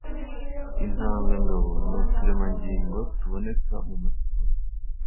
intanga ngabo ni uturemangingo tuboneka mu masohoro